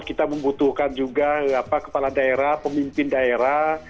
kita membutuhkan juga kepala daerah pemimpin daerah